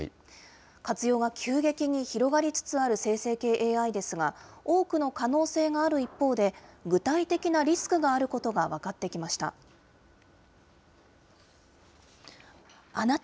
活用が急激に広がりつつある生成系ＡＩですが、多くの可能性がある一方で、具体的なリスクがあることが分かってきました。